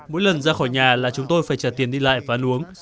mỗi lần ra khỏi nhà là chúng tôi phải trả tiền đi lại và uống